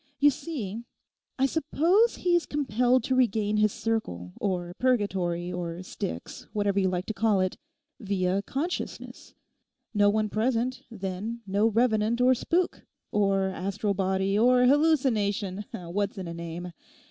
You see, I suppose he is compelled to regain his circle, or Purgatory, or Styx, whatever you like to call it, via consciousness. No one present, then no revenant or spook, or astral body, or hallucination: what's in a name?